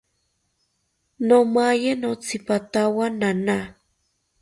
Nomaye notzipatawo nana